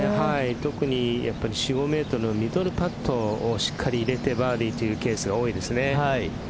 特に４、５メートルのミドルパットをしっかり入れればバーディーというケースが多いですね。